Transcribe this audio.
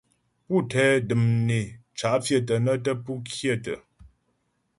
Pú tɛ də̀m né cǎ' pfyə̂tə nə́ tə́ pú kyə̂tə.